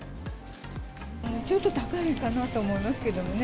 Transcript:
ちょっと高いかなと思いますけどもね。